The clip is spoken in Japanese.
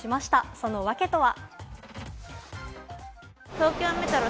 その訳とは？